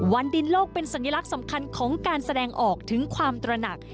วันดินโลกเป็นสัญลักษณ์สำคัญของการแสดงออกถึงความตระหนัก